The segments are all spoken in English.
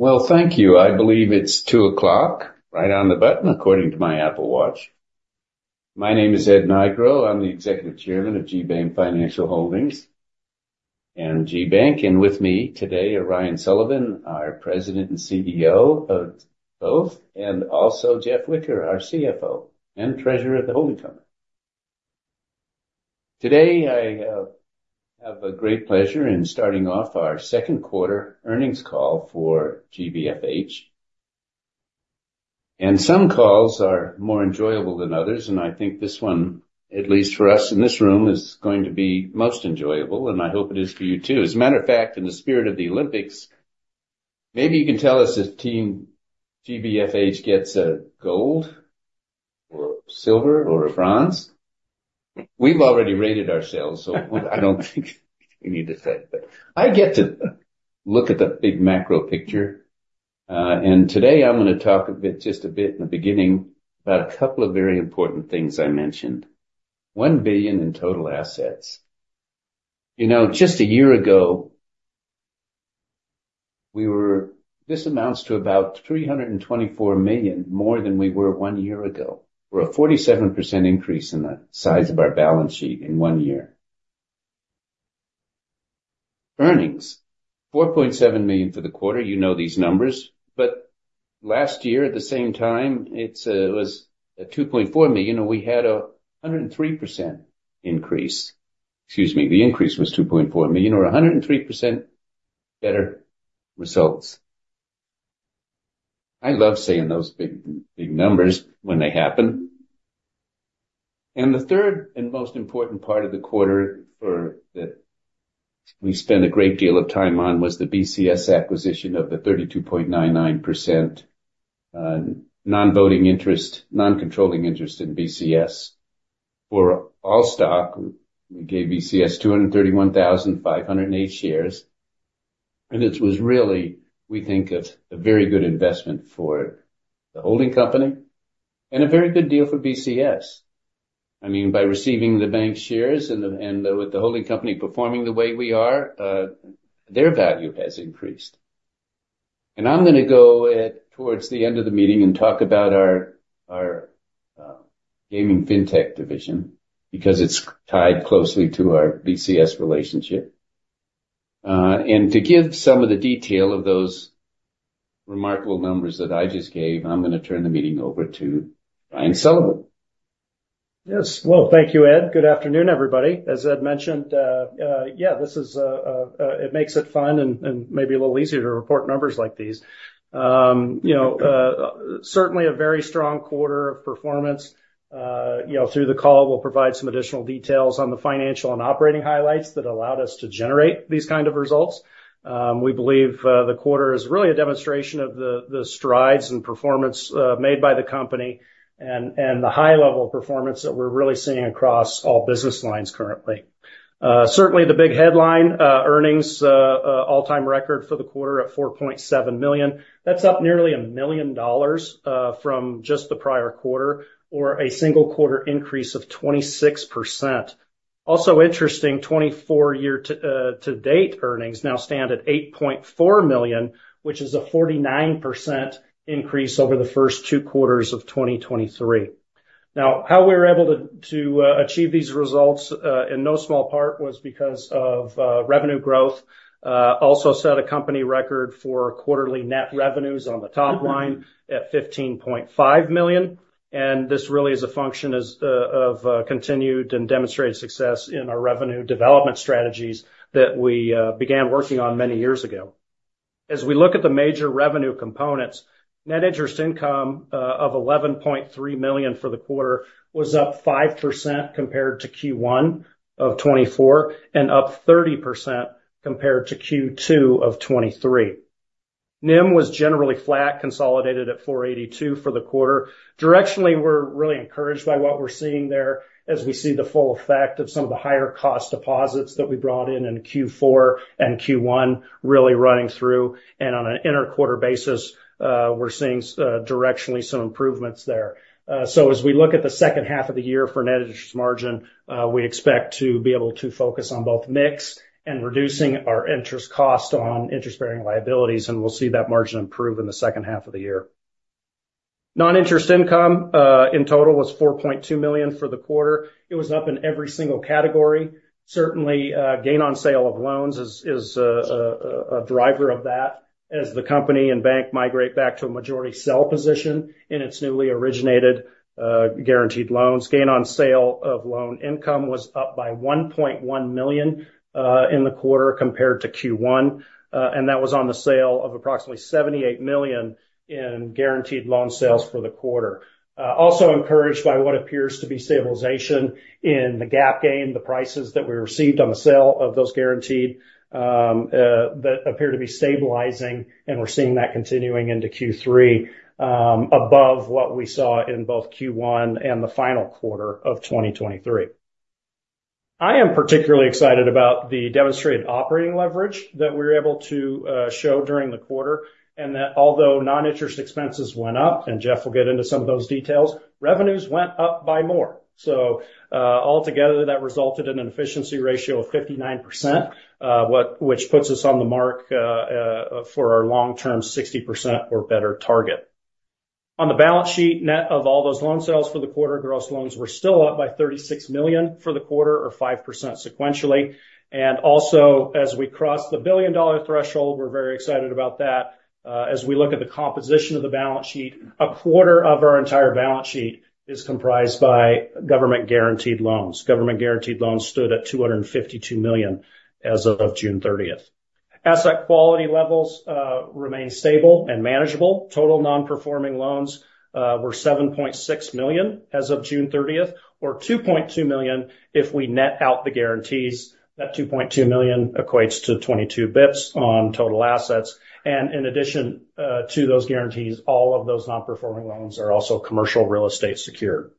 Well, thank you. I believe it's 2:00 P.M. right on the button according to my Apple Watch. My name is Ed Nigro. I'm the Executive Chairman of GBank Financial Holdings and GBank. With me today are Ryan Sullivan, our President and CEO of both, and also Jeff Whicker, our CFO and Treasurer of the holding company. Today, I have a great pleasure in starting off our second quarter earnings call for GBFH. Some calls are more enjoyable than others, and I think this one, at least for us in this room, is going to be most enjoyable, and I hope it is for you too. As a matter of fact, in the spirit of the Olympics, maybe you can tell us if Team GBFH gets a gold or silver or a bronze. We've already rated ourselves, so I don't think we need to say anything. I get to look at the big macro picture. Today I'm going to talk a bit, just a bit in the beginning, about a couple of very important things I mentioned. $1 billion in total assets. You know, just a year ago, we were, this amounts to about $324 million, more than we were one year ago. We're a 47% increase in the size of our balance sheet in one year. Earnings: $4.7 million for the quarter. You know these numbers. Last year, at the same time, it was $2.4 million. We had a 103% increase. Excuse me, the increase was $2.4 million, or 103% better results. I love seeing those big numbers when they happen. The third and most important part of the quarter that we spent a great deal of time on was the BCS acquisition of the 32.99% non-voting interest, non-controlling interest in BCS for all stock. We gave BCS 231,508 shares. This was really, we think, a very good investment for the holding company and a very good deal for BCS. I mean, by receiving the bank's shares and with the holding company performing the way we are, their value has increased. I'm going to go towards the end of the meeting and talk about our gaming fintech division because it's tied closely to our BCS relationship. To give some of the detail of those remarkable numbers that I just gave, I'm going to turn the meeting over to Ryan Sullivan. Yes. Well, thank you, Ed. Good afternoon, everybody. As Ed mentioned, yeah, this is. It makes it fun and maybe a little easier to report numbers like these. You know, certainly a very strong quarter of performance. You know, through the call, we'll provide some additional details on the financial and operating highlights that allowed us to generate these kinds of results. We believe the quarter is really a demonstration of the strides in performance made by the company and the high-level performance that we're really seeing across all business lines currently. Certainly, the big headline: earnings, all-time record for the quarter at $4.7 million. That's up nearly $1 million from just the prior quarter, or a single quarter increase of 26%. Also interesting, 2024 year-to-date earnings now stand at $8.4 million, which is a 49% increase over the first two quarters of 2023. Now, how we were able to achieve these results in no small part was because of revenue growth. Also set a company record for quarterly net revenues on the top line at $15.5 million. This really is a function of continued and demonstrated success in our revenue development strategies that we began working on many years ago. As we look at the major revenue components, net interest income of $11.3 million for the quarter was up 5% compared to Q1 of 2024 and up 30% compared to Q2 of 2023. NIM was generally flat, consolidated at 4.82% for the quarter. Directionally, we're really encouraged by what we're seeing there as we see the full effect of some of the higher cost deposits that we brought in in Q4 and Q1 really running through. On an interquarter basis, we're seeing directionally some improvements there. So as we look at the second half of the year for net interest margin, we expect to be able to focus on both mix and reducing our interest cost on interest-bearing liabilities, and we'll see that margin improve in the second half of the year. Non-interest income in total was $4.2 million for the quarter. It was up in every single category. Certainly, gain on sale of loans is a driver of that as the company and bank migrate back to a majority sell position in its newly originated guaranteed loans. Gain on sale of loan income was up by $1.1 million in the quarter compared to Q1, and that was on the sale of approximately $78 million in guaranteed loan sales for the quarter. Also encouraged by what appears to be stabilization in the gain on sale, the prices that we received on the sale of those guaranteed that appear to be stabilizing, and we're seeing that continuing into Q3 above what we saw in both Q1 and the final quarter of 2023. I am particularly excited about the demonstrated operating leverage that we were able to show during the quarter, and that although non-interest expenses went up, and Jeff will get into some of those details, revenues went up by more. So altogether, that resulted in an efficiency ratio of 59%, which puts us on the mark for our long-term 60% or better target. On the balance sheet, net of all those loan sales for the quarter, gross loans were still up by $36 million for the quarter, or 5% sequentially. And also, as we cross the billion-dollar threshold, we're very excited about that. As we look at the composition of the balance sheet, a quarter of our entire balance sheet is comprised by government-guaranteed loans. Government-guaranteed loans stood at $252 million as of June 30th. Asset quality levels remain stable and manageable. Total non-performing loans were $7.6 million as of June 30th, or $2.2 million if we net out the guarantees. That $2.2 million equates to 22 bps on total assets. And in addition to those guarantees, all of those non-performing loans are also commercial real estate secured.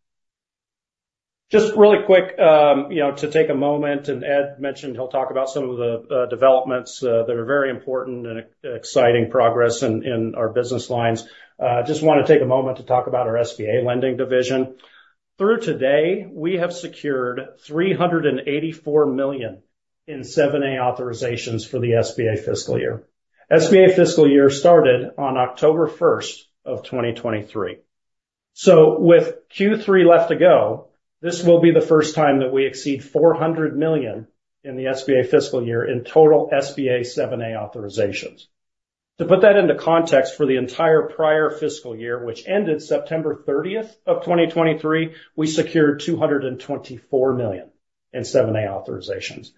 Just really quick, you know, to take a moment, and Ed mentioned he'll talk about some of the developments that are very important and exciting progress in our business lines. I just want to take a moment to talk about our SBA lending division. Through today, we have secured $384 million in 7(a) authorizations for the SBA fiscal year. SBA fiscal year started on October 1st of 2023. So with Q3 left to go, this will be the first time that we exceed $400 million in the SBA fiscal year in total SBA 7(a) authorizations. To put that into context, for the entire prior fiscal year, which ended September 30th of 2023, we secured $224 million in 7(a) authorizations.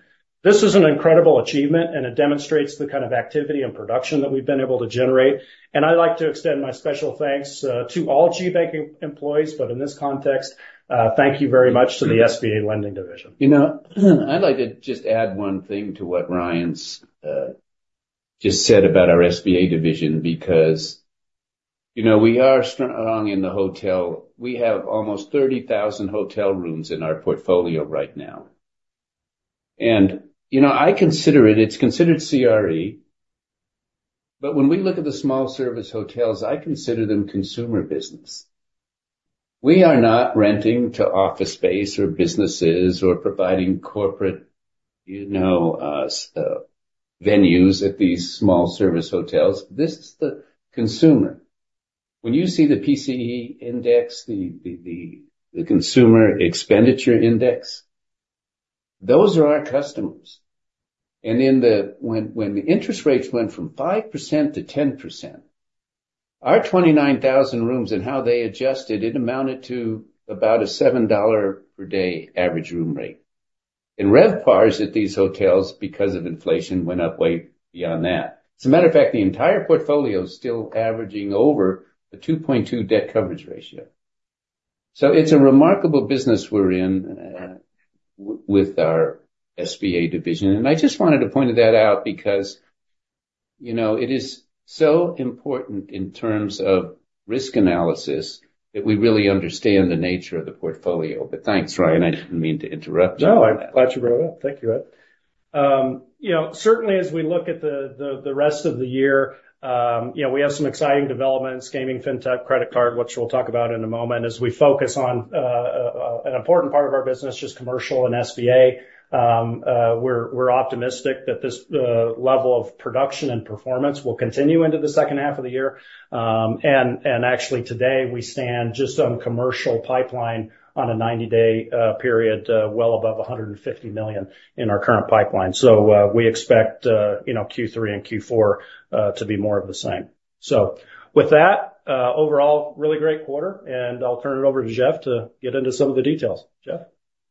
This is an incredible achievement, and it demonstrates the kind of activity and production that we've been able to generate. And I'd like to extend my special thanks to all GBank employees, but in this context, thank you very much to the SBA lending division. You know, I'd like to just add one thing to what Ryan just said about our SBA division because, you know, we are strong in the hotel. We have almost 30,000 hotel rooms in our portfolio right now. And, you know, I consider it. It's considered CRE. But when we look at the small-service hotels, I consider them consumer business. We are not renting to office space or businesses or providing corporate, you know, venues at these small-service hotels. This is the consumer. When you see the PCE index, the consumer expenditure index, those are our customers. And in the, when the interest rates went from 5%-10%, our 29,000 rooms and how they adjusted, it amounted to about a $7 per day average room rate. And RevPARs at these hotels, because of inflation, went up way beyond that. As a matter of fact, the entire portfolio is still averaging over a 2.2 debt coverage ratio. So it's a remarkable business we're in with our SBA division. And I just wanted to point that out because, you know, it is so important in terms of risk analysis that we really understand the nature of the portfolio. But thanks, Ryan. I didn't mean to interrupt you. No, I'm glad you brought it up. Thank you, Ed. You know, certainly, as we look at the rest of the year, you know, we have some exciting developments: gaming, fintech, credit card, which we'll talk about in a moment as we focus on an important part of our business, just commercial and SBA. We're optimistic that this level of production and performance will continue into the second half of the year. And actually, today, we stand just on commercial pipeline on a 90-day period, well above $150 million in our current pipeline. So we expect, you know, Q3 and Q4 to be more of the same. So with that, overall, really great quarter. And I'll turn it over to Jeff to get into some of the details. Jeff.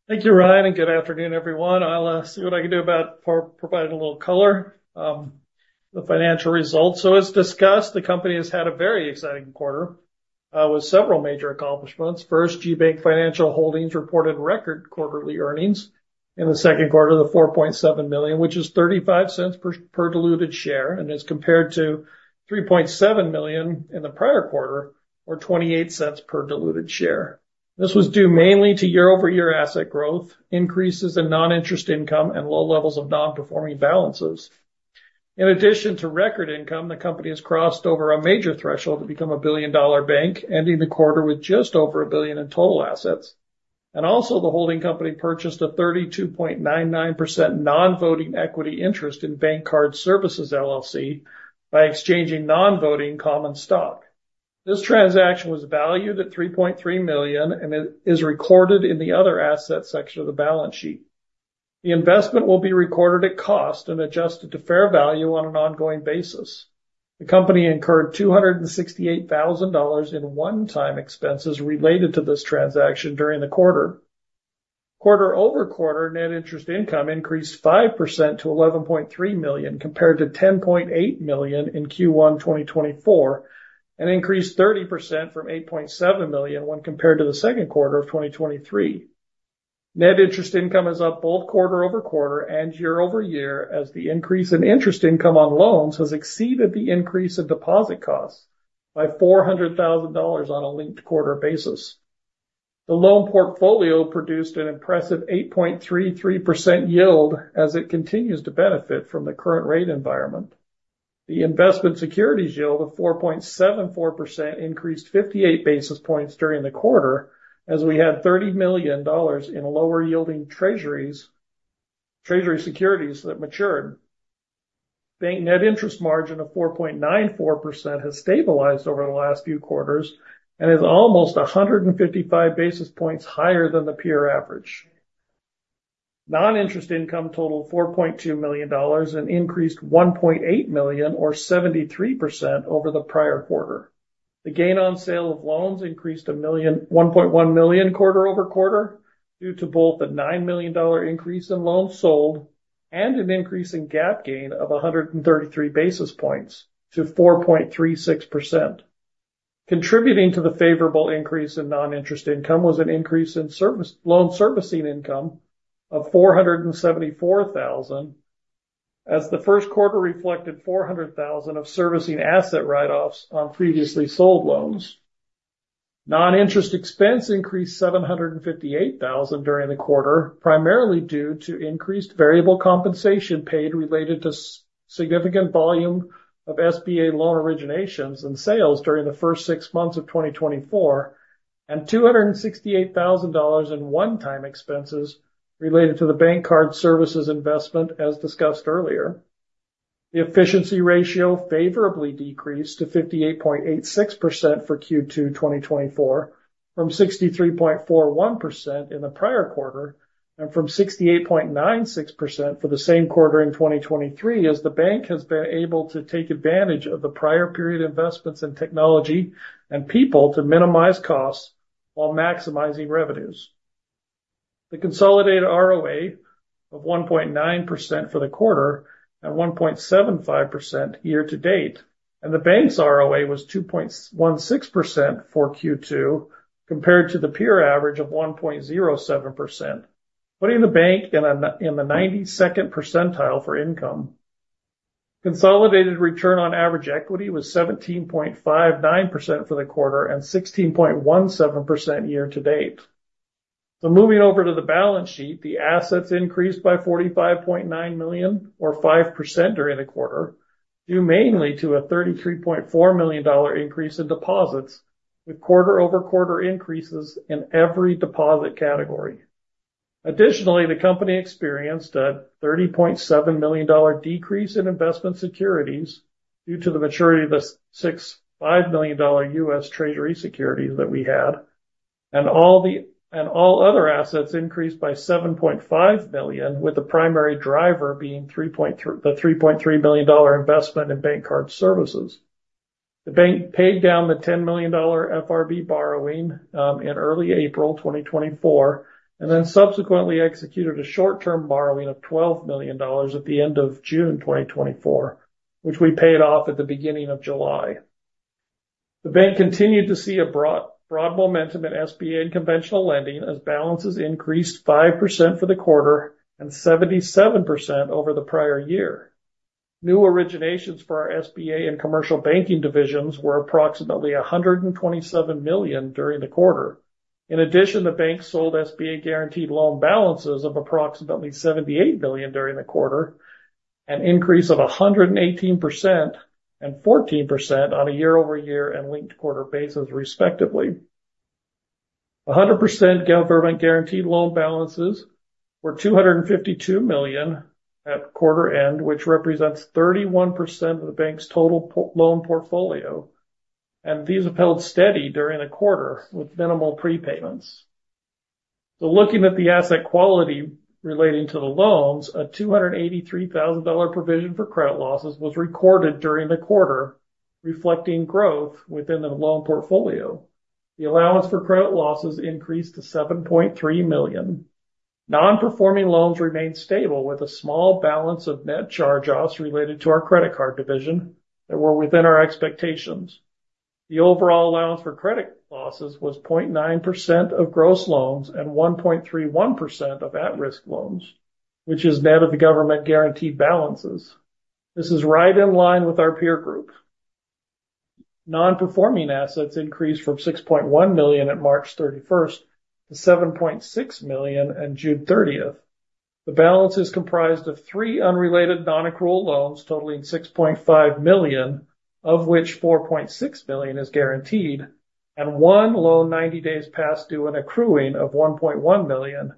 Thank you, Ryan, and good afternoon, everyone. I'll see what I can do about providing a little color on the financial results. So as discussed, the company has had a very exciting quarter with several major accomplishments. First, GBank Financial Holdings reported record quarterly earnings in the second quarter of $4.7 million, which is $0.35 per diluted share, and is compared to $3.7 million in the prior quarter, or $0.28 per diluted share. This was due mainly to year-over-year asset growth, increases in non-interest income, and low levels of non-performing balances. In addition to record income, the company has crossed over a major threshold to become a billion-dollar bank, ending the quarter with just over $1 billion in total assets. The holding company purchased a 32.99% non-voting equity interest in BankCard Services LLC by exchanging non-voting common stock. This transaction was valued at $3.3 million and is recorded in the other asset section of the balance sheet. The investment will be recorded at cost and adjusted to fair value on an ongoing basis. The company incurred $268,000 in one-time expenses related to this transaction during the quarter. Quarter-over-quarter, net interest income increased 5% to $11.3 million compared to $10.8 million in Q1 2024 and increased 30% from $8.7 million when compared to the second quarter of 2023. Net interest income is up both quarter-over-quarter and year-over-year as the increase in interest income on loans has exceeded the increase in deposit costs by $400,000 on a linked-quarter basis. The loan portfolio produced an impressive 8.33% yield as it continues to benefit from the current rate environment. The investment securities yield of 4.74% increased 58 basis points during the quarter as we had $30 million in lower-yielding treasury securities that matured. Bank net interest margin of 4.94% has stabilized over the last few quarters and is almost 155 basis points higher than the peer average. Non-interest income totaled $4.2 million and increased $1.8 million, or 73%, over the prior quarter. The gain on sale of loans increased $1.1 million quarter-over-quarter due to both a $9 million increase in loans sold and an increase in gain of 133 basis points to 4.36%. Contributing to the favorable increase in non-interest income was an increase in loan servicing income of $474,000, as the first quarter reflected $400,000 of servicing asset write-offs on previously sold loans. Non-interest expense increased $758,000 during the quarter, primarily due to increased variable compensation paid related to significant volume of SBA loan originations and sales during the first six months of 2024, and $268,000 in one-time expenses related to the Bank Card Services investment, as discussed earlier. The efficiency ratio favorably decreased to 58.86% for Q2 2024 from 63.41% in the prior quarter and from 68.96% for the same quarter in 2023, as the bank has been able to take advantage of the prior period investments in technology and people to minimize costs while maximizing revenues. The consolidated ROA of 1.9% for the quarter and 1.75% year to date, and the bank's ROA was 2.16% for Q2 compared to the peer average of 1.07%, putting the bank in the 92nd percentile for income. Consolidated return on average equity was 17.59% for the quarter and 16.17% year to date. So moving over to the balance sheet, the assets increased by $45.9 million, or 5%, during the quarter due mainly to a $33.4 million increase in deposits with quarter-over-quarter increases in every deposit category. Additionally, the company experienced a $30.7 million decrease in investment securities due to the maturity of the $65 million U.S. Treasury securities that we had, and all other assets increased by $7.5 million, with the primary driver being the $3.3 million investment in BankCard Services. The bank paid down the $10 million FRB borrowing in early April 2024 and then subsequently executed a short-term borrowing of $12 million at the end of June 2024, which we paid off at the beginning of July. The bank continued to see a broad momentum in SBA and conventional lending as balances increased 5% for the quarter and 77% over the prior year. New originations for our SBA and commercial banking divisions were approximately $127 million during the quarter. In addition, the bank sold SBA guaranteed loan balances of approximately $78 million during the quarter, an increase of 118% and 14% on a year-over-year and linked-quarter basis, respectively. 100% government-guaranteed loan balances were $252 million at quarter end, which represents 31% of the bank's total loan portfolio, and these have held steady during the quarter with minimal prepayments. So looking at the asset quality relating to the loans, a $283,000 provision for credit losses was recorded during the quarter, reflecting growth within the loan portfolio. The allowance for credit losses increased to $7.3 million. Non-performing loans remained stable with a small balance of net charge-offs related to our credit card division that were within our expectations. The overall allowance for credit losses was 0.9% of gross loans and 1.31% of at-risk loans, which is net of the government-guaranteed balances. This is right in line with our peer group. Non-performing assets increased from $6.1 million at March 31st to $7.6 million on June 30th. The balance is comprised of three unrelated non-accrual loans totaling $6.5 million, of which $4.6 million is guaranteed, and one loan 90 days past due and accruing of $1.1 million.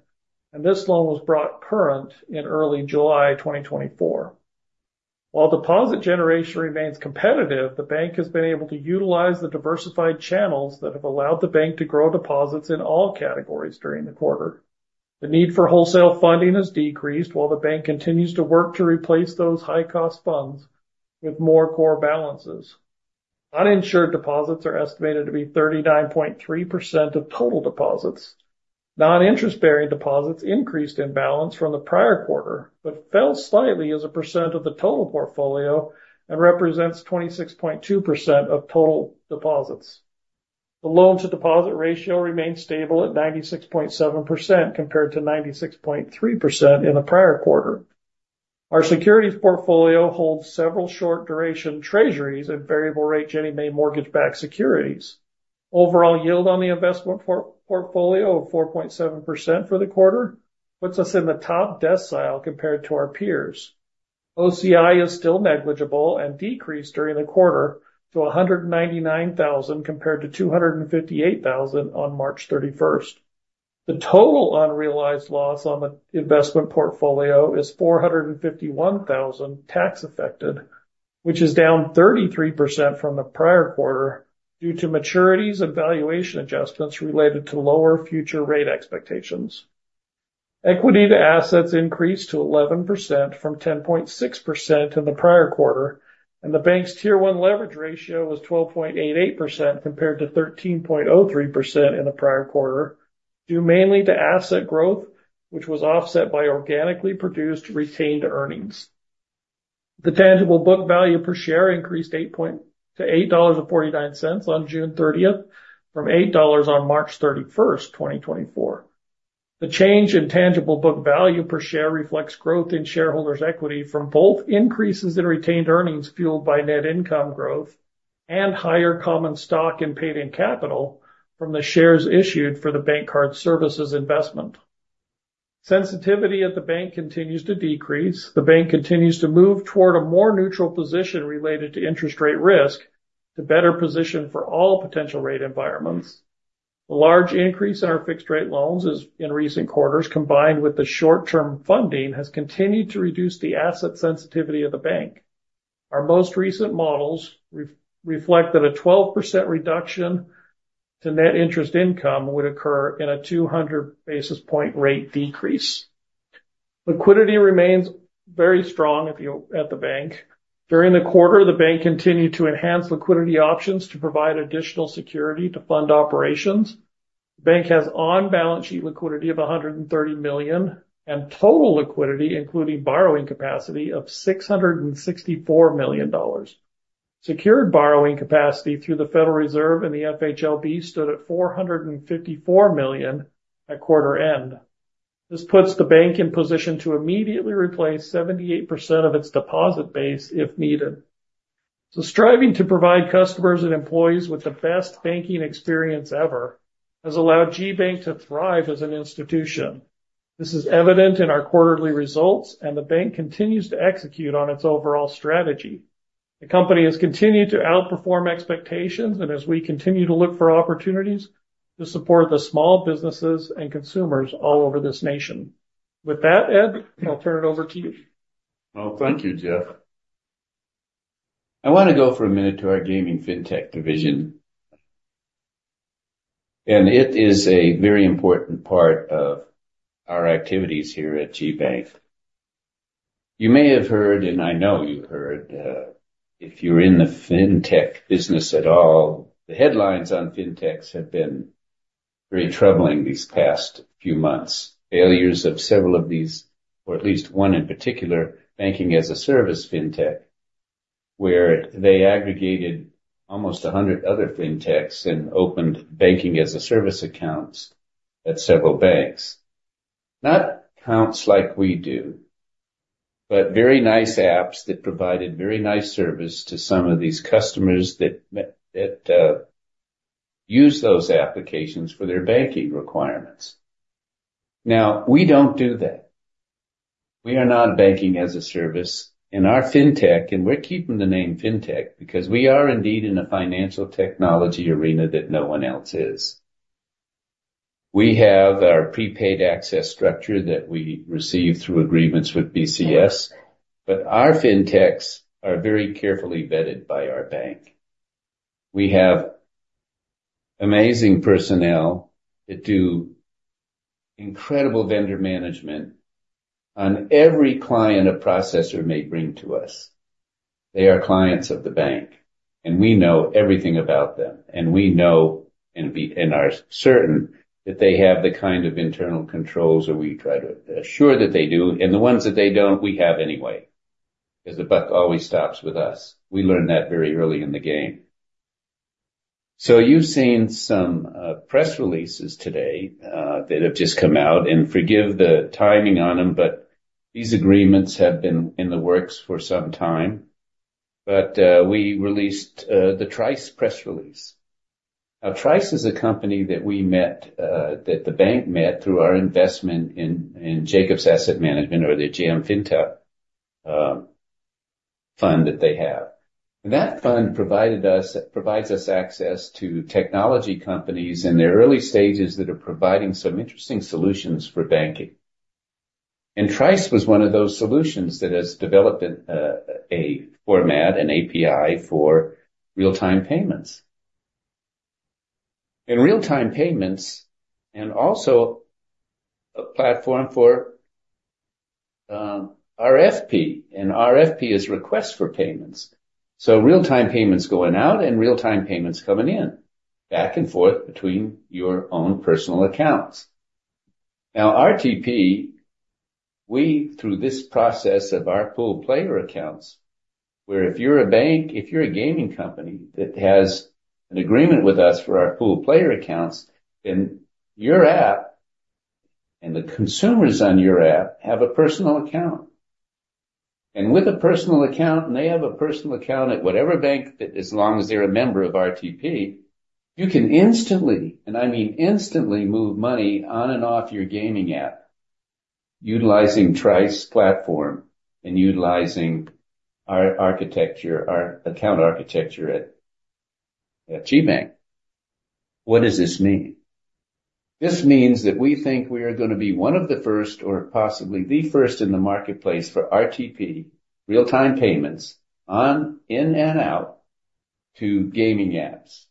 This loan was brought current in early July 2024. While deposit generation remains competitive, the bank has been able to utilize the diversified channels that have allowed the bank to grow deposits in all categories during the quarter. The need for wholesale funding has decreased while the bank continues to work to replace those high-cost funds with more core balances. Uninsured deposits are estimated to be 39.3% of total deposits. Non-interest-bearing deposits increased in balance from the prior quarter but fell slightly as a percent of the total portfolio and represents 26.2% of total deposits. The loan-to-deposit ratio remains stable at 96.7% compared to 96.3% in the prior quarter. Our securities portfolio holds several short-duration treasuries and variable-rate Ginnie Mae mortgage-backed securities. Overall yield on the investment portfolio of 4.7% for the quarter puts us in the top decile compared to our peers. OCI is still negligible and decreased during the quarter to $199,000 compared to $258,000 on March 31st. The total unrealized loss on the investment portfolio is $451,000 tax-affected, which is down 33% from the prior quarter due to maturities and valuation adjustments related to lower future rate expectations. Equity to assets increased to 11% from 10.6% in the prior quarter, and the bank's Tier 1 Leverage Ratio was 12.88% compared to 13.03% in the prior quarter, due mainly to asset growth, which was offset by organically produced retained earnings. The Tangible Book Value per share increased to $8.49 on June 30th from $8 on March 31st, 2024. The change in Tangible Book Value per share reflects growth in shareholders' equity from both increases in retained earnings fueled by net income growth and higher common stock and paid-in capital from the shares issued for the BankCard Services investment. Sensitivity at the bank continues to decrease. The bank continues to move toward a more neutral position related to interest rate risk to better position for all potential rate environments. The large increase in our fixed-rate loans in recent quarters, combined with the short-term funding, has continued to reduce the asset sensitivity of the bank. Our most recent models reflect that a 12% reduction to net interest income would occur in a 200 basis point rate decrease. Liquidity remains very strong at the bank. During the quarter, the bank continued to enhance liquidity options to provide additional security to fund operations. The bank has on-balance sheet liquidity of $130 million and total liquidity, including borrowing capacity, of $664 million. Secured borrowing capacity through the Federal Reserve and the FHLB stood at $454 million at quarter end. This puts the bank in position to immediately replace 78% of its deposit base if needed. So striving to provide customers and employees with the best banking experience ever has allowed GBank to thrive as an institution. This is evident in our quarterly results, and the bank continues to execute on its overall strategy. The company has continued to outperform expectations, and as we continue to look for opportunities to support the small businesses and consumers all over this nation. With that, Ed, I'll turn it over to you. Well, thank you, Jeff. I want to go for a minute to our gaming fintech division, and it is a very important part of our activities here at GBank. You may have heard, and I know you heard, if you're in the fintech business at all, the headlines on fintechs have been very troubling these past few months. Failures of several of these, or at least one in particular, Banking as a Service fintech, where they aggregated almost 100 other fintechs and opened Banking as a Service accounts at several banks. Not accounts like we do, but very nice apps that provided very nice service to some of these customers that use those applications for their banking requirements. Now, we don't do that. We are not Banking as a Service in our fintech, and we're keeping the name fintech because we are indeed in a financial technology arena that no one else is. We have our prepaid access structure that we receive through agreements with BCS, but our fintechs are very carefully vetted by our bank. We have amazing personnel that do incredible vendor management on every client a processor may bring to us. They are clients of the bank, and we know everything about them, and we know, and are certain that they have the kind of internal controls that we try to assure that they do. And the ones that they don't, we have anyway because the buck always stops with us. We learned that very early in the game. So you've seen some press releases today that have just come out, and forgive the timing on them, but these agreements have been in the works for some time. But we released the Trice press release. Now, Trice is a company that we met, that the bank met through our investment in Jacobs Asset Management, or the JAM FinTech fund that they have. And that fund provides us access to technology companies in their early stages that are providing some interesting solutions for banking. And Trice was one of those solutions that has developed a format, an API for real-time payments. In real-time payments, and also a platform for RFP, and RFP is request for payments. So real-time payments going out and real-time payments coming in, back and forth between your own personal accounts. Now, RTP, we, through this process of our pool player accounts, where if you're a bank, if you're a gaming company that has an agreement with us for our pool player accounts, then your app and the consumers on your app have a personal account. And with a personal account, and they have a personal account at whatever bank that, as long as they're a member of RTP, you can instantly, and I mean instantly, move money on and off your gaming app utilizing Trice platform and utilizing our architecture, our account architecture at GBank. What does this mean? This means that we think we are going to be one of the first, or possibly the first, in the marketplace for RTP, Real-Time Payments on, in, and out to gaming apps,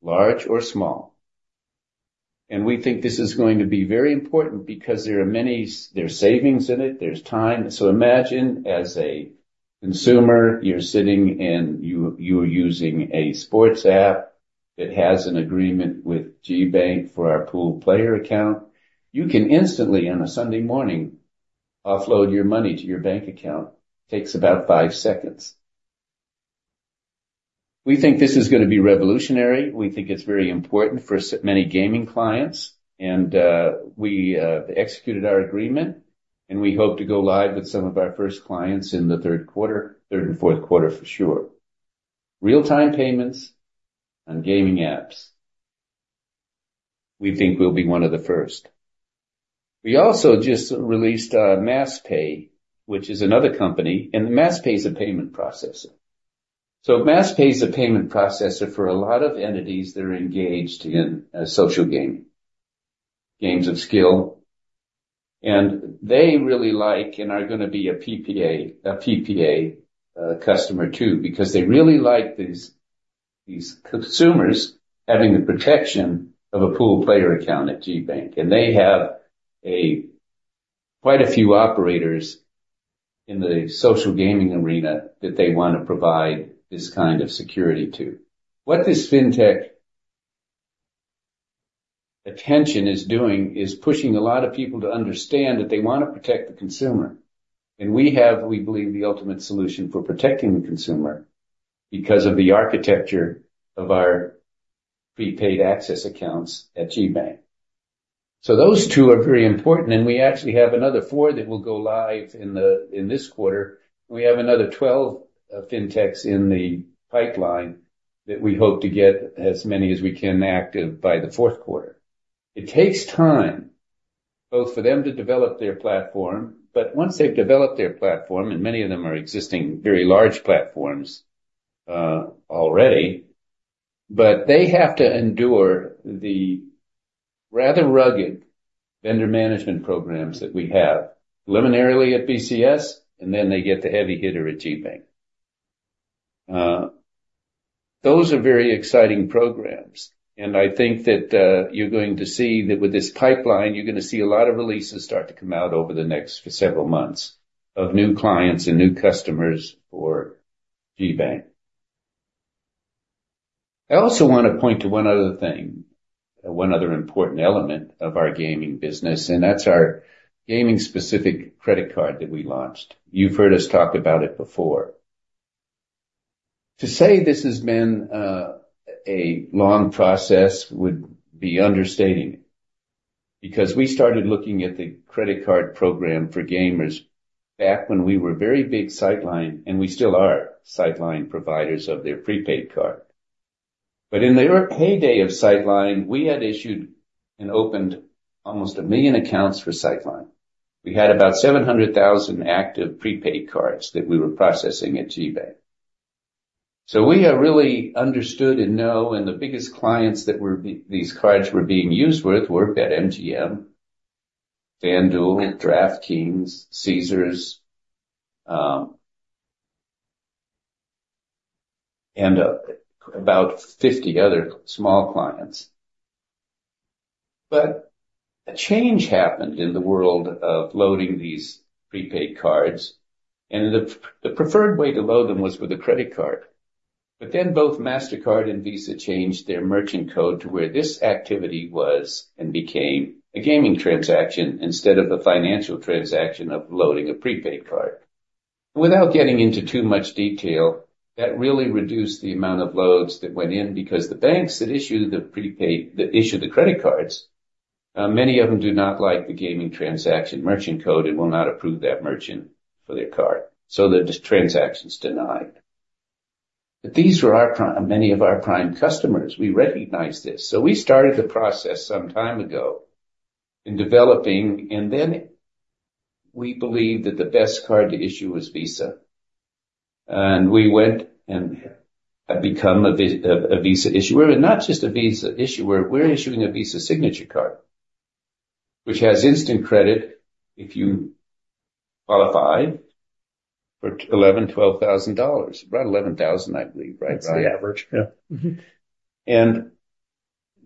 large or small. And we think this is going to be very important because there are many, there's savings in it, there's time. So imagine as a consumer, you're sitting and you're using a sports app that has an agreement with GBank for our Pool Player Account. You can instantly, on a Sunday morning, offload your money to your bank account. Takes about five seconds. We think this is going to be revolutionary. We think it's very important for many gaming clients, and we executed our agreement, and we hope to go live with some of our first clients in the third quarter, third and fourth quarter for sure. Real-time payments on gaming apps, we think we'll be one of the first. We also just released MassPay, which is another company, and MassPay is a payment processor. So MassPay is a payment processor for a lot of entities that are engaged in social games, games of skill, and they really like and are going to be a PPA customer too because they really like these consumers having the protection of a pool player account at GBank. And they have quite a few operators in the social gaming arena that they want to provide this kind of security to. What this fintech attention is doing is pushing a lot of people to understand that they want to protect the consumer. And we have, we believe, the ultimate solution for protecting the consumer because of the architecture of our prepaid access accounts at GBank. So those two are very important, and we actually have another four that will go live in this quarter. We have another 12 fintechs in the pipeline that we hope to get as many as we can active by the fourth quarter. It takes time both for them to develop their platform, but once they've developed their platform, and many of them are existing very large platforms already, but they have to endure the rather rugged vendor management programs that we have preliminarily at BCS, and then they get the heavy hitter at GBank. Those are very exciting programs, and I think that you're going to see that with this pipeline, you're going to see a lot of releases start to come out over the next several months of new clients and new customers for GBank. I also want to point to one other thing, one other important element of our gaming business, and that's our gaming-specific credit card that we launched. You've heard us talk about it before. To say this has been a long process would be understating it because we started looking at the credit card program for gamers back when we were very big Sightline, and we still are Sightline providers of their prepaid card. But in the early days of Sightline, we had issued and opened almost 1 million accounts for Sightline. We had about 700,000 active prepaid cards that we were processing at GBank. So we have really understood and know, and the biggest clients that these cards were being used with were at MGM, FanDuel, DraftKings, Caesars, and about 50 other small clients. But a change happened in the world of loading these prepaid cards, and the preferred way to load them was with a credit card. But then both Mastercard and Visa changed their merchant code to where this activity was and became a gaming transaction instead of a financial transaction of loading a prepaid card. Without getting into too much detail, that really reduced the amount of loads that went in because the banks that issued the credit cards, many of them do not like the gaming transaction merchant code and will not approve that merchant for their card. So the transaction's denied. But these were many of our prime customers. We recognize this. So we started the process some time ago in developing, and then we believed that the best card to issue was Visa. And we went and have become a Visa issuer, and not just a Visa issuer, we're issuing a Visa Signature card, which has instant credit if you qualify for $11,000, $12,000, about $11,000, I believe, right? That's the average. Yeah. And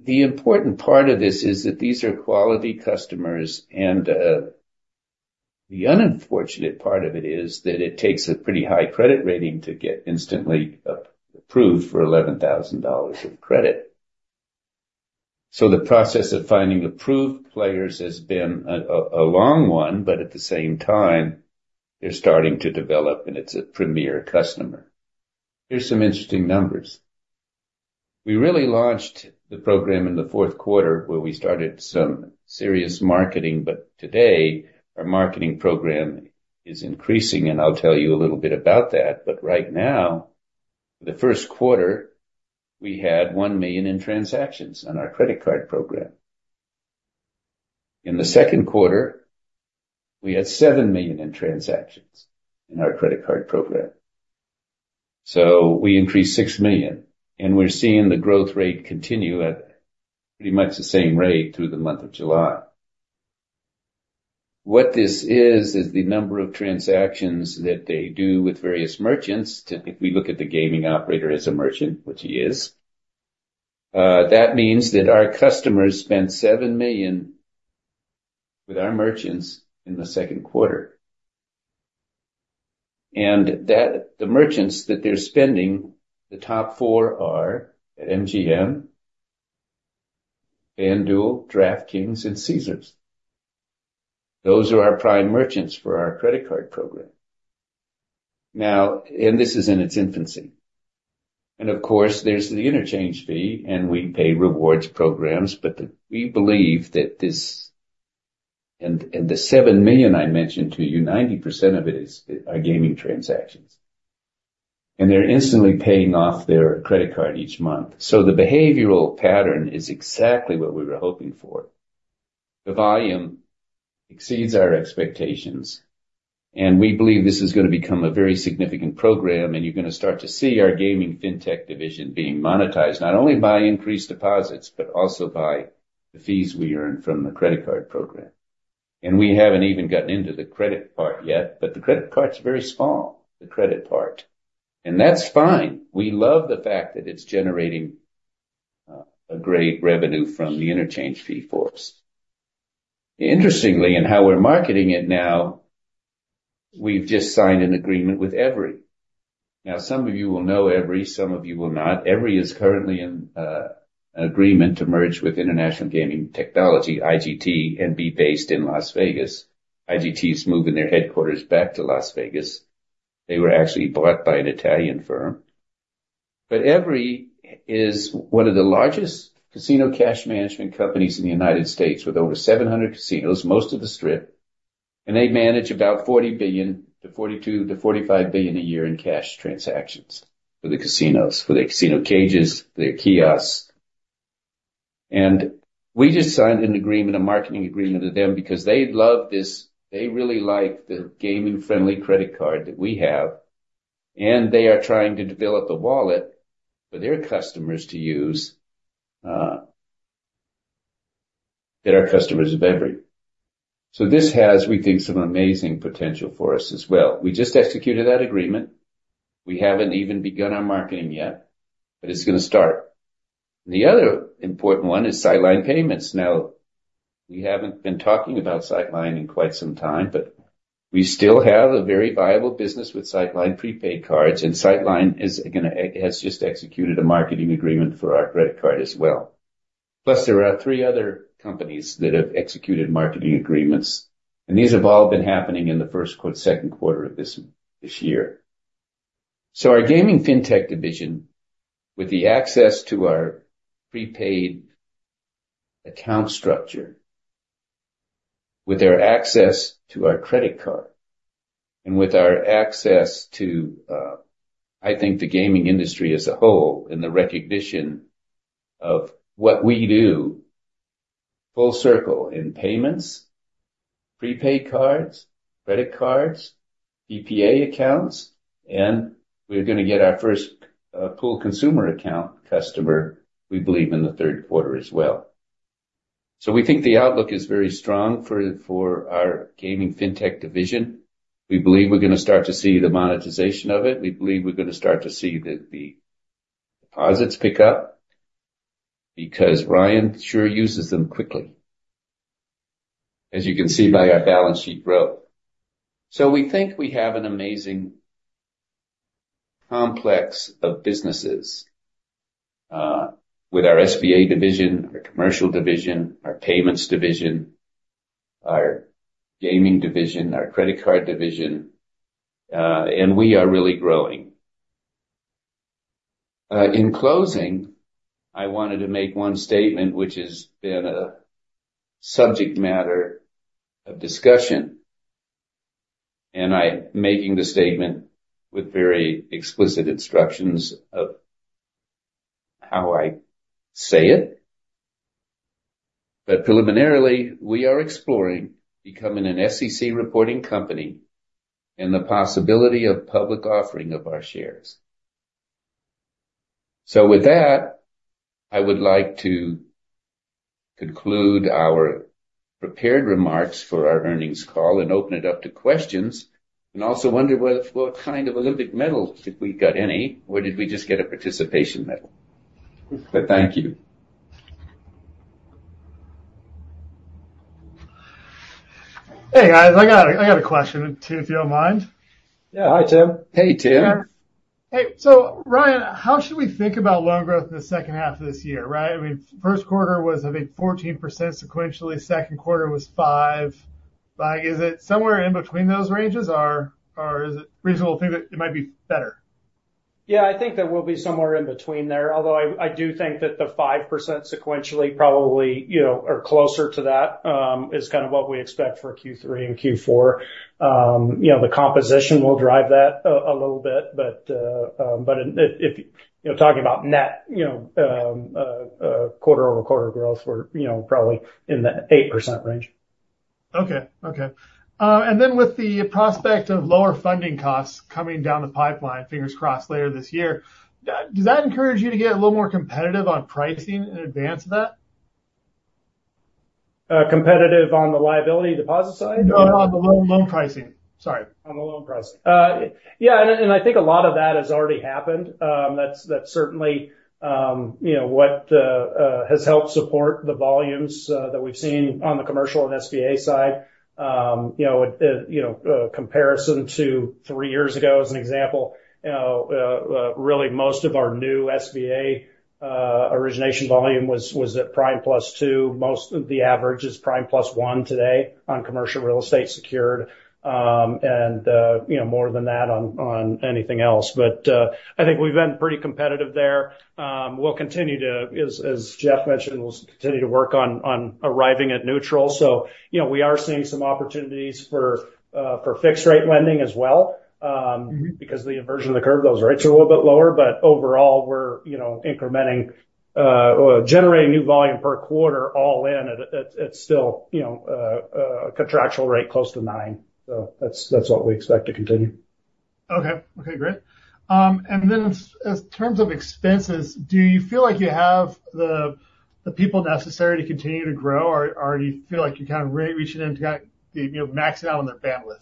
the important part of this is that these are quality customers, and the unfortunate part of it is that it takes a pretty high credit rating to get instantly approved for $11,000 of credit. So the process of finding approved players has been a long one, but at the same time, they're starting to develop, and it's a premier customer. Here's some interesting numbers. We really launched the program in the fourth quarter where we started some serious marketing, but today our marketing program is increasing, and I'll tell you a little bit about that. But right now, the first quarter, we had $1 million in transactions on our credit card program. In the second quarter, we had $7 million in transactions in our credit card program. So we increased $6 million, and we're seeing the growth rate continue at pretty much the same rate through the month of July. What this is, is the number of transactions that they do with various merchants. If we look at the gaming operator as a merchant, which he is, that means that our customers spent $7 million with our merchants in the second quarter. And the merchants that they're spending, the top four are at MGM, FanDuel, DraftKings, and Caesars. Those are our prime merchants for our credit card program. Now, and this is in its infancy. Of course, there's the interchange fee, and we pay rewards programs, but we believe that this, and the $7 million I mentioned to you, 90% of it is our gaming transactions. And they're instantly paying off their credit card each month. So the behavioral pattern is exactly what we were hoping for. The volume exceeds our expectations, and we believe this is going to become a very significant program, and you're going to start to see our gaming fintech division being monetized not only by increased deposits, but also by the fees we earn from the credit card program. And we haven't even gotten into the credit part yet, but the credit part's very small, the credit part. And that's fine. We love the fact that it's generating a great revenue from the interchange fee force. Interestingly, in how we're marketing it now, we've just signed an agreement with Everi. Now, some of you will know Everi, some of you will not. Everi is currently in an agreement to merge with International Game Technology, IGT, and be based in Las Vegas. IGT is moving their headquarters back to Las Vegas. They were actually bought by an Italian firm. But Everi is one of the largest casino cash management companies in the United States, with over 700 casinos, most of the strip. And they manage about $40 billion to $42 billion to $45 billion a year in cash transactions for the casinos, for the casino cages, for their kiosks. And we just signed an agreement, a marketing agreement with them because they love this. They really like the gaming-friendly credit card that we have, and they are trying to develop a wallet for their customers to use that are customers of Everi. So this has, we think, some amazing potential for us as well. We just executed that agreement. We haven't even begun our marketing yet, but it's going to start. And the other important one is Sightline Payments. Now, we haven't been talking about Sightline in quite some time, but we still have a very viable business with Sightline prepaid cards, and Sightline has just executed a marketing agreement for our credit card as well. Plus, there are three other companies that have executed marketing agreements, and these have all been happening in the first or second quarter of this year. So our gaming fintech division, with the access to our prepaid account structure, with our access to our credit card, and with our access to, I think, the gaming industry as a whole and the recognition of what we do, full circle in payments, prepaid cards, credit cards, PPA accounts, and we're going to get our first pool consumer account customer, we believe, in the third quarter as well. So we think the outlook is very strong for our gaming fintech division. We believe we're going to start to see the monetization of it. We believe we're going to start to see the deposits pick up because Ryan sure uses them quickly, as you can see by our balance sheet growth. So we think we have an amazing complex of businesses with our SBA division, our commercial division, our payments division, our gaming division, our credit card division, and we are really growing. In closing, I wanted to make one statement, which has been a subject matter of discussion, and I'm making the statement with very explicit instructions of how I say it. But preliminarily, we are exploring becoming an SEC reporting company and the possibility of public offering of our shares. So with that, I would like to conclude our prepared remarks for our earnings call and open it up to questions and also wonder what kind of Olympic medal did we get, any, or did we just get a participation medal? But thank you. Hey, guys, I got a question too, if you don't mind. Yeah. Hi, Tim. Hey, Tim. Hey. So Ryan, how should we think about loan growth in the second half of this year, right? I mean, first quarter was, I think, 14% sequentially. Second quarter was 5%. Is it somewhere in between those ranges, or is it reasonable to think that it might be better? Yeah, I think that we'll be somewhere in between there. Although I do think that the 5% sequentially probably or closer to that is kind of what we expect for Q3 and Q4. The composition will drive that a little bit, but if you're talking about net quarter-over-quarter growth, we're probably in the 8% range. Okay. Okay. And then with the prospect of lower funding costs coming down the pipeline, fingers crossed, later this year, does that encourage you to get a little more competitive on pricing in advance of that? Competitive on the liability deposit side? No, on the loan pricing. Sorry. On the loan pricing. Yeah. I think a lot of that has already happened. That's certainly what has helped support the volumes that we've seen on the commercial and SBA side. Comparison to three years ago, as an example, really most of our new SBA origination volume was at prime plus two. Most of the average is prime +1 today on commercial real estate secured, and more than that on anything else. But I think we've been pretty competitive there. We'll continue to, as Jeff mentioned, we'll continue to work on arriving at neutral. So we are seeing some opportunities for fixed-rate lending as well because the inversion of the curve, those rates are a little bit lower. But overall, we're incrementing or generating new volume per quarter all in at still a contractual rate close to nine. So that's what we expect to continue. Okay. Okay. Great. And then in terms of expenses, do you feel like you have the people necessary to continue to grow, or do you feel like you're kind of reaching into that, maxing out on their bandwidth?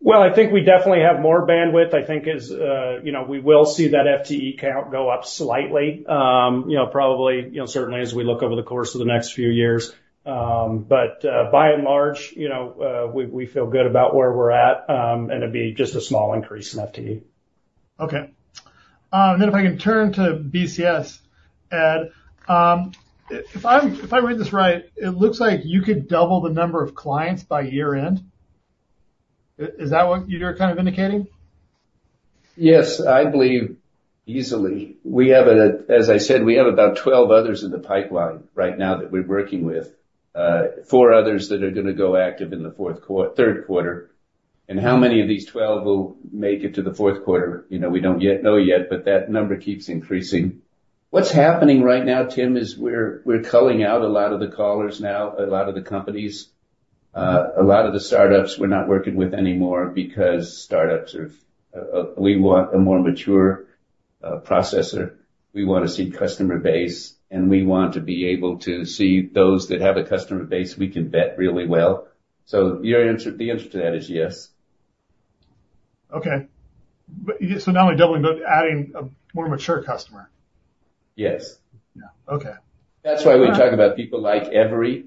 Well, I think we definitely have more bandwidth. I think we will see that FTE count go up slightly, probably certainly as we look over the course of the next few years. But by and large, we feel good about where we're at, and it'd be just a small increase in FTE. Okay. And then if I can turn to BCS, Ed, if I read this right, it looks like you could double the number of clients by year-end. Is that what you're kind of indicating? Yes, I believe easily. As I said, we have about 12 others in the pipeline right now that we're working with, four others that are going to go active in the third quarter. And how many of these 12 will make it to the fourth quarter, we don't know yet, but that number keeps increasing. What's happening right now, Tim, is we're culling out a lot of the callers now, a lot of the companies, a lot of the startups we're not working with anymore because startups are we want a more mature processor. We want to see customer base, and we want to be able to see those that have a customer base we can vet really well. So the answer to that is yes. Okay. So not only doubling, but adding a more mature customer. Yes. That's why we talk about people like Everi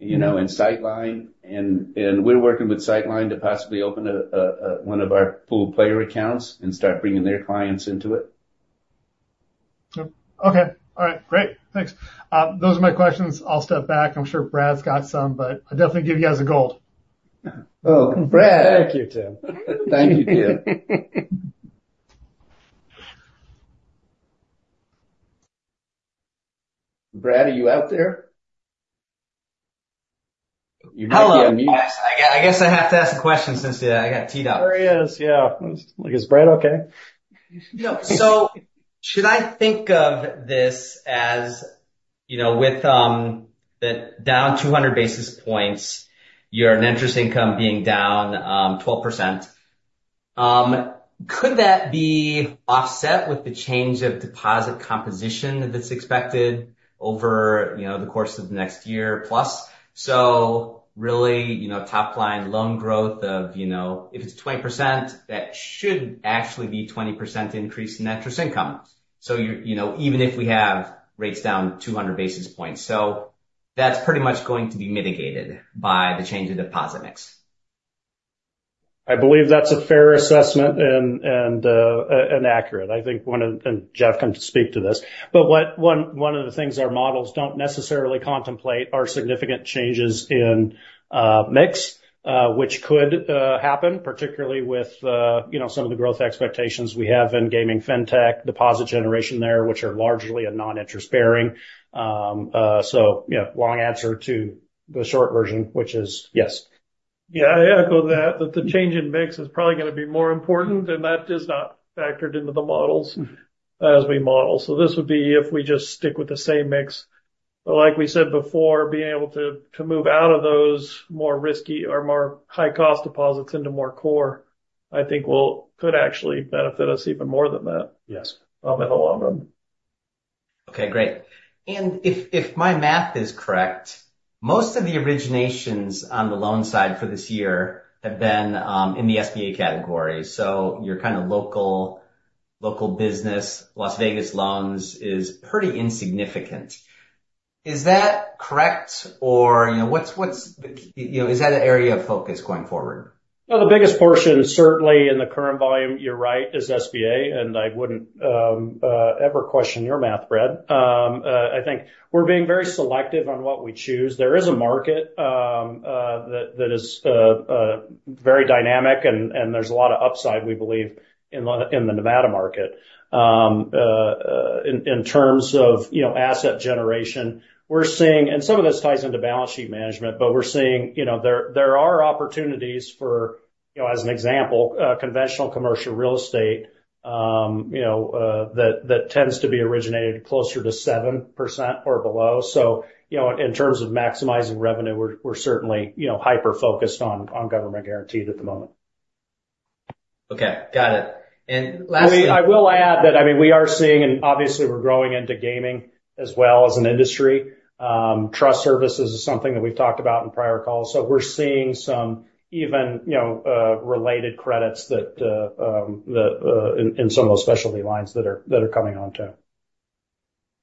and Sightline, and we're working with Sightline to possibly open one of our pool player accounts and start bringing their clients into it. Okay. All right. Great. Thanks. Those are my questions. I'll step back. I'm sure Brad's got some, but I'll definitely give you guys a go ahead. Oh, Brad. Thank you, Tim. Thank you, Tim. Brad, are you out there? You're not on mute. Hello. I guess I have to ask a question since I got tee'd up. There he is. Yeah. Is Brad okay? No. So should I think of this as with down 200 basis points, your interest income being down 12%, could that be offset with the change of deposit composition that's expected over the course of the next year plus? So really, top-line loan growth of, if it's 20%, that should actually be a 20% increase in interest income, even if we have rates down 200 basis points. So that's pretty much going to be mitigated by the change in deposit mix. I believe that's a fair assessment and accurate. I think when Jeff comes to speak to this. But one of the things our models don't necessarily contemplate are significant changes in mix, which could happen, particularly with some of the growth expectations we have in gaming fintech deposit generation there, which are largely a non-interest-bearing. So long answer to the short version, which is yes. Yeah. I echo that. The change in mix is probably going to be more important, and that is not factored into the models as we model. So this would be if we just stick with the same mix. But like we said before, being able to move out of those more risky or more high-cost deposits into more core, I think could actually benefit us even more than that in the long run. Okay. Great. And if my math is correct, most of the originations on the loan side for this year have been in the SBA category. So your kind of local business, Las Vegas loans, is pretty insignificant. Is that correct, or is that an area of focus going forward? No, the biggest portion, certainly in the current volume, you're right, is SBA, and I wouldn't ever question your math, Brad. I think we're being very selective on what we choose. There is a market that is very dynamic, and there's a lot of upside, we believe, in the Nevada market in terms of asset generation. Some of this ties into balance sheet management, but we're seeing there are opportunities for, as an example, conventional commercial real estate that tends to be originated closer to 7% or below. So in terms of maximizing revenue, we're certainly hyper-focused on government guaranteed at the moment. Okay. Got it. And lastly. I will add that, I mean, we are seeing, and obviously, we're growing into gaming as well as an industry. Trust services is something that we've talked about in prior calls. So we're seeing some even related credits in some of those specialty lines that are coming on too.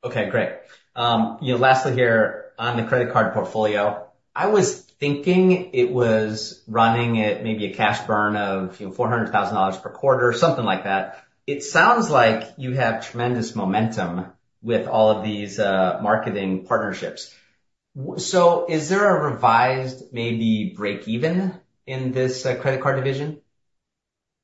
Okay. Great. Lastly here, on the credit card portfolio, I was thinking it was running at maybe a cash burn of $400,000 per quarter, something like that. It sounds like you have tremendous momentum with all of these marketing partnerships. Is there a revised maybe break-even in this credit card division?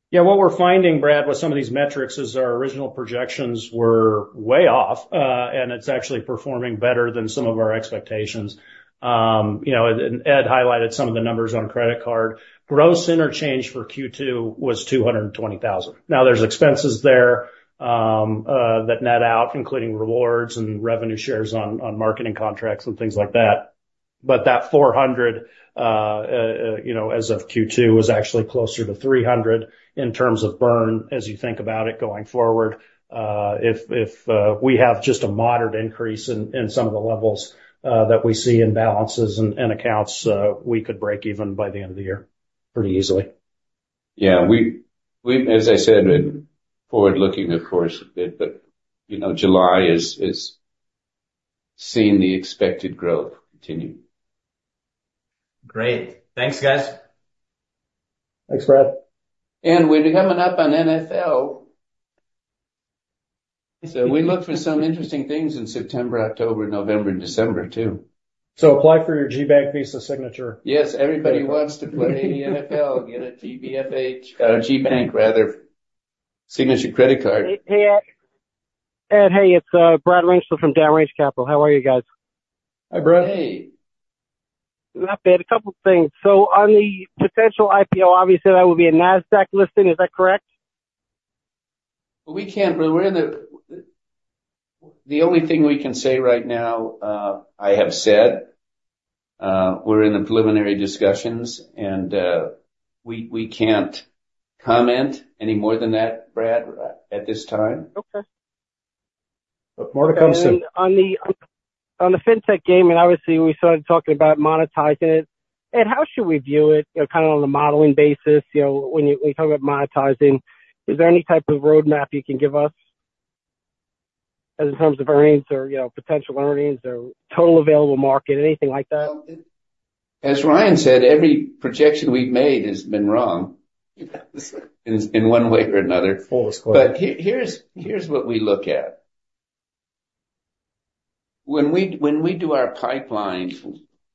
Yeah. What we're finding, Brad, with some of these metrics is our original projections were way off, and it's actually performing better than some of our expectations. Ed highlighted some of the numbers on credit card. Gross interchange for Q2 was $220,000. Now, there's expenses there that net out, including rewards and revenue shares on marketing contracts and things like that. But that $400,000 as of Q2 was actually closer to $300,000 in terms of burn as you think about it going forward. If we have just a moderate increase in some of the levels that we see in balances and accounts, we could break even by the end of the year pretty easily. Yeah. As I said, forward-looking, of course, but July is seeing the expected growth continue. Great. Thanks, guys. Thanks, Brad. We're coming up on NFL. We look for some interesting things in September, October, November, and December too. Apply for your GBank Visa Signature. Yes. Everybody wants to play NFL and get a GBFH. GBank, rather. Signature credit card. Ed, hey. It's Brad Wingster from Downrange Capital. How are you guys? Hi, Brad. Hey. Not bad. A couple of things. On the potential IPO, obviously, that would be a NASDAQ listing. Is that correct? We can't, but we're in the only thing we can say right now, I have said, we're in the preliminary discussions, and we can't comment any more than that, Brad, at this time. Okay. But more to come soon. Then on the fintech game, and obviously, we started talking about monetizing it. Ed, how should we view it kind of on a modeling basis? When you talk about monetizing, is there any type of roadmap you can give us in terms of earnings or potential earnings or total available market, anything like that? As Ryan said, every projection we've made has been wrong in one way or another. But here's what we look at. When we do our pipelines,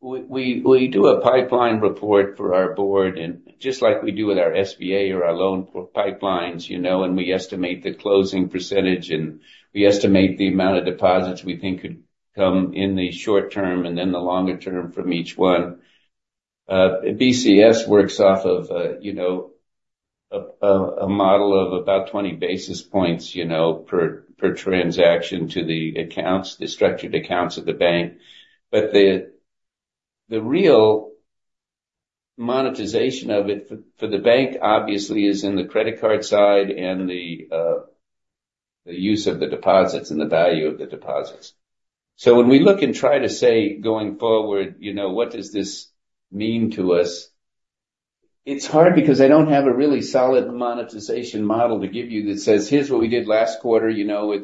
we do a pipeline report for our board, and just like we do with our SBA or our loan pipelines, and we estimate the closing percentage, and we estimate the amount of deposits we think could come in the short term and then the longer term from each one. BCS works off of a model of about 20 basis points per transaction to the accounts, the structured accounts of the bank. But the real monetization of it for the bank, obviously, is in the credit card side and the use of the deposits and the value of the deposits. So when we look and try to say, going forward, what does this mean to us, it's hard because I don't have a really solid monetization model to give you that says, "Here's what we did last quarter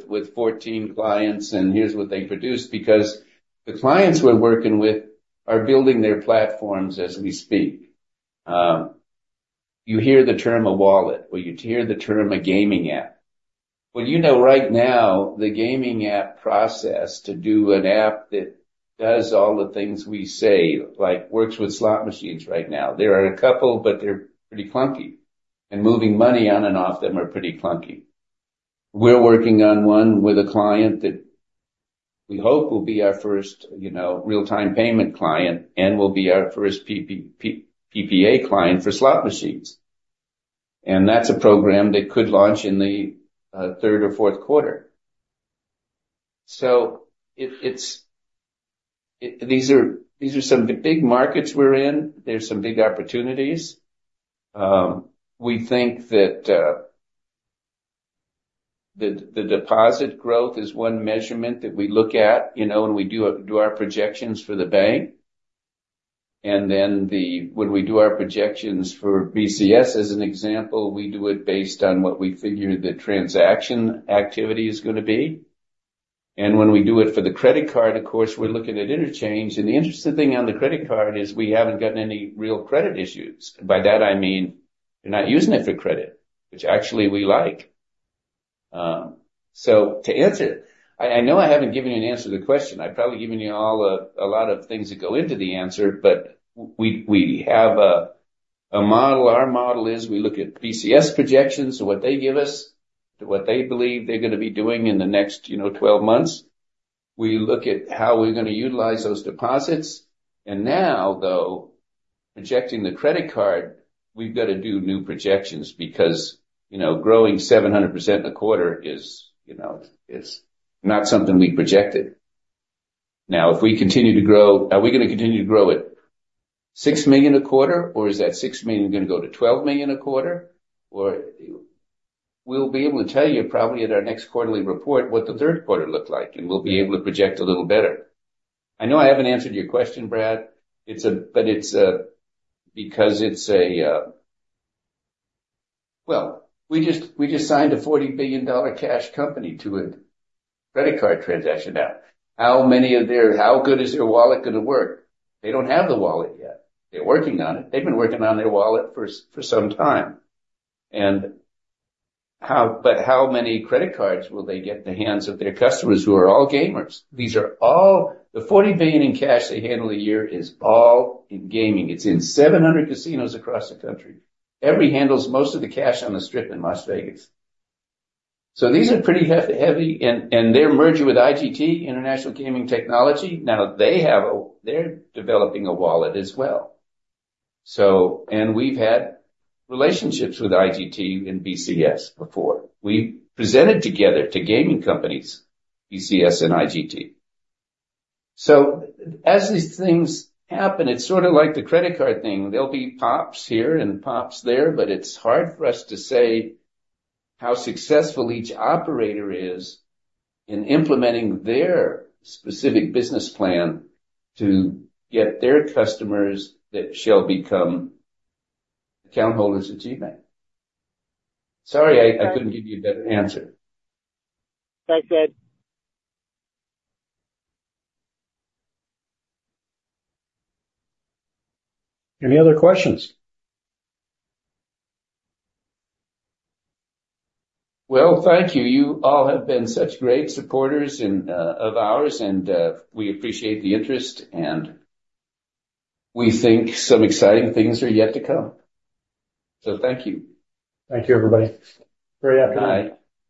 with 14 clients, and here's what they produced," because the clients we're working with are building their platforms as we speak. You hear the term a wallet, or you hear the term a gaming app. Well, you know right now the gaming app process to do an app that does all the things we say, like works with slot machines right now. There are a couple, but they're pretty clunky. And moving money on and off them are pretty clunky. We're working on one with a client that we hope will be our first real-time payment client and will be our first PPA client for slot machines. And that's a program that could launch in the third or fourth quarter. So these are some of the big markets we're in. There's some big opportunities. We think that the deposit growth is one measurement that we look at when we do our projections for the bank. And then when we do our projections for BCS, as an example, we do it based on what we figure the transaction activity is going to be. And when we do it for the credit card, of course, we're looking at interchange. And the interesting thing on the credit card is we haven't gotten any real credit issues. By that, I mean you're not using it for credit, which actually we like. So to answer it, I know I haven't given you an answer to the question. I've probably given you all a lot of things that go into the answer, but we have a model. Our model is we look at BCS projections and what they give us to what they believe they're going to be doing in the next 12 months. We look at how we're going to utilize those deposits. And now, though, projecting the credit card, we've got to do new projections because growing 700% in a quarter is not something we projected. Now, if we continue to grow, are we going to continue to grow at $6 million a quarter, or is that $6 million going to go to $12 million a quarter? We'll be able to tell you probably at our next quarterly report what the third quarter looked like, and we'll be able to project a little better. I know I haven't answered your question, Brad, but it's because it's a well, we just signed a $40 billion cash company to a credit card transaction. Now, how many of their how good is their wallet going to work? They don't have the wallet yet. They're working on it. They've been working on their wallet for some time. But how many credit cards will they get in the hands of their customers who are all gamers? The $40 billion in cash they handle a year is all in gaming. It's in 700 casinos across the country. Everi handles most of the cash on the strip in Las Vegas. So these are pretty heavy, and they're merging with IGT, International Game Technology. Now, they're developing a wallet as well. And we've had relationships with IGT and BCS before. We presented together to gaming companies, BCS and IGT. So as these things happen, it's sort of like the credit card thing. There'll be pops here and pops there, but it's hard for us to say how successful each operator is in implementing their specific business plan to get their customers that shall become account holders at GBank. Sorry, I couldn't give you a better answer. Thanks, Ed. Any other questions? Well, thank you. You all have been such great supporters of ours, and we appreciate the interest, and we think some exciting things are yet to come. So thank you. Thank you, everybody. Great afternoon. Bye.